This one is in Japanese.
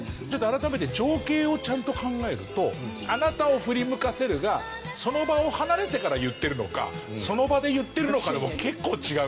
改めて情景をちゃんと考えると「あなたをふりむかせる」がその場を離れてから言ってるのかその場で言ってるのかでも結構違うよね。